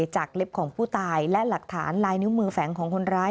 เล็บของผู้ตายและหลักฐานลายนิ้วมือแฝงของคนร้าย